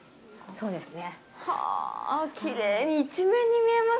そうですね。